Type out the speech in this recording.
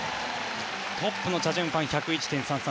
トップのチャ・ジュンファンは１０１．３３。